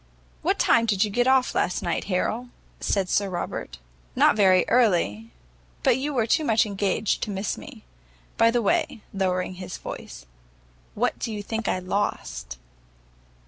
"What time did you get off last night, Harrel?" said Sir Robert. "Not very early; but you were too much engaged to miss me. By the way," lowering his voice, "what do you think I lost?"